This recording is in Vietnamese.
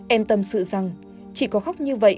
em tâm sự rằng chỉ có khóc như vậy